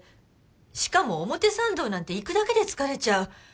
しかも表参道なんて行くだけで疲れちゃう。